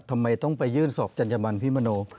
ทำไมต้องไปยื่นสอบจัญญบันพี่มโน